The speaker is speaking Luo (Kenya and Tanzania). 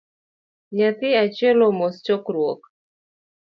Nyathi achiel omos chokruok